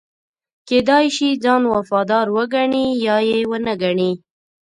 کېدای شي ځان وفادار وګڼي یا یې ونه ګڼي.